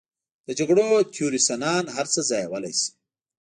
د جګړو تیورسنان هر څه ځایولی شي.